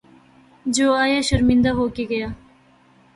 جو آیا شرمندہ ہو کے گیا۔